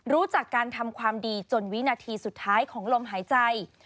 รู้จักการทำความดีจนวินาทีสุดท้ายของลมหายใจ